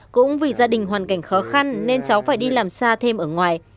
cũng vì gia đình hoàn cảnh khó khăn nên cháu phải đi làm xa thêm ở ngoài